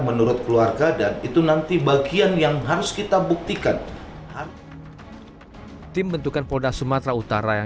menurut keluarga dan itu nanti bagian yang harus kita buktikan tim bentukan polda sumatera utara yang